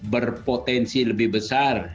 berpotensi lebih besar